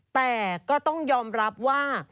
แต่ก็ต้องยอมรับว่า